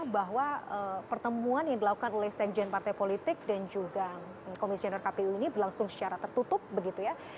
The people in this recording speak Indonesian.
bahwa pertemuan yang dilakukan oleh sekjen partai politik dan juga komisioner kpu ini berlangsung secara tertutup begitu ya